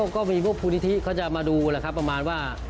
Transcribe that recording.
ก็มีพวกมูลนิธิเขาจะมาดูแหละครับประมาณว่า